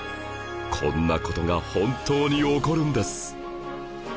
こんな事が本当に起こるんです